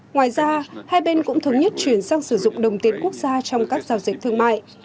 ngoài ra hai bên cũng thống nhất chuyển sang sử dụng đồng tiền quốc gia trong các giao dịch thương mại